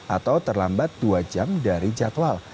atau terlambat dua jam dari jadwal